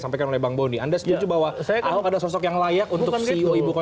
sampaikan oleh bang boni anda setuju bahwa saya kalau ada sosok yang layak untuk mencari buku